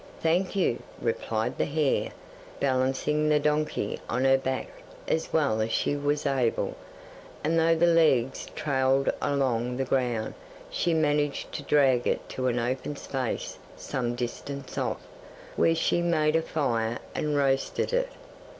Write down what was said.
'"Thank you," replied the hare, balancing the donkey on her back as well as she was able, and though the legs trailed along the ground she managed to drag it to an open space some distance off, where she made a fire and roasted it.